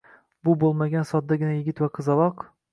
Bu bo’lmagan soddagina yigit va qizaloq.